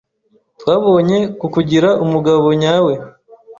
Twabonye kukugira umugabo nyawe.